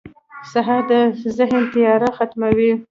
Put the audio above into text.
سهار د ذهن تیاره ختموي.